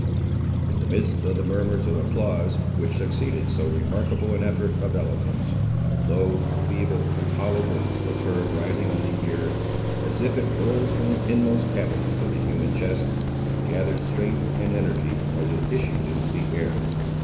In the midst of the murmurs of applause, which succeeded so remarkable an effort of eloquence, a low, feeble and hollow voice was heard rising on the ear, as if it rolled from the inmost cavities of the human chest, and gathered strength and energy as it issued into the air.